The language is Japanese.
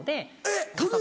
えっ？